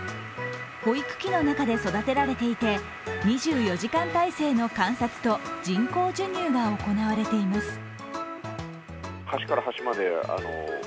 保育器の中で育てられていて２４時間体制の観察と人工授乳が行われています。